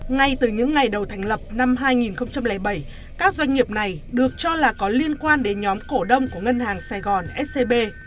ngay từ những ngày đầu thành lập năm hai nghìn bảy các doanh nghiệp này được cho là có liên quan đến nhóm cổ đông của ngân hàng sài gòn scb